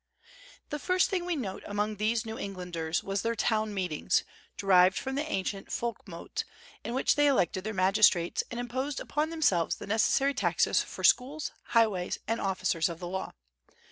The first thing we note among these New Englanders was their town meetings, derived from the ancient folk mote, in which they elected their magistrates, and imposed upon themselves the necessary taxes for schools, highways, and officers of the law.